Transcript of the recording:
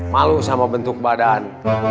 malu sama bentuk badan